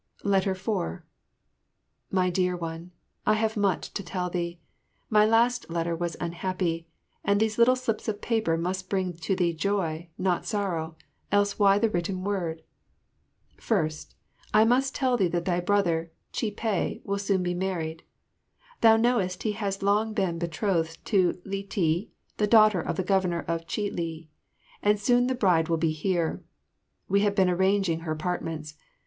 4 My Dear One, I have much to tell thee. My last letter was unhappy, and these little slips of paper must bring to thee joy, not sorrow, else why the written word? First, I must tell thee that thy brother Chih peh will soon be married. Thou knowest he has long been betrothed to Li ti, the daughter of the Governor of Chih li, and soon the bride will be here. We have been arranging her apartments.